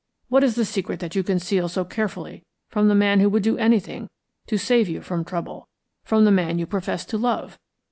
What is the secret that you conceal so carefully from the man who would do anything to save you from trouble, from the man you profess to love?